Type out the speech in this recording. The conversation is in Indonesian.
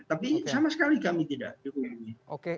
tapi sama sekali kami tidak jokowi